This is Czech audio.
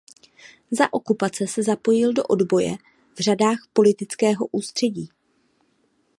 Za okupace se zapojil do odboje v řadách Politického ústředí.